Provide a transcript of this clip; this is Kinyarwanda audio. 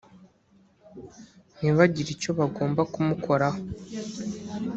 ntibagire icyo bagomba kumukoraho